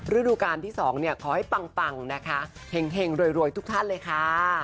ฤดูการที่๒ขอให้ปังนะคะเห็งรวยทุกท่านเลยค่ะ